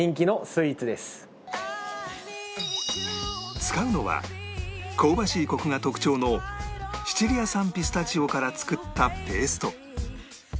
使うのは香ばしいコクが特徴のシチリア産ピスタチオから作ったペースト